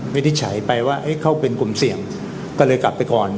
วินิจฉัยไปว่าเขาเป็นกลุ่มเสี่ยงก็เลยกลับไปก่อน